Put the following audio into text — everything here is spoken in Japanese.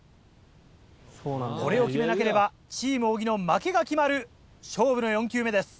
これを決めなければチーム小木の負けが決まる勝負の４球目です。